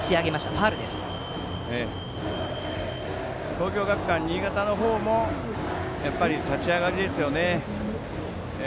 東京学館新潟の方もやっぱり、立ち上がりですよね。